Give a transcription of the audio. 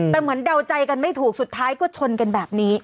แต่เหมือนเดาใจกันไม่ถูกสุดท้ายก็ชนกันแบบนี้